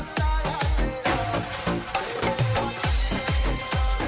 สวัสดีครับ